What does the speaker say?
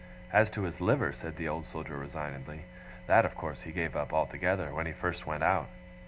As to his liver,' said the Old Soldier resignedly, 'that, of course, he gave up altogether, when he first went out!